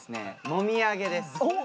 「もみあげ」です。